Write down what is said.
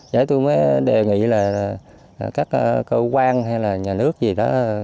chứ tôi mới đề nghị là các cơ quan hay là nhà nước gì đó